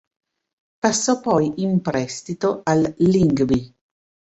Passò poi in prestito al Lyngby.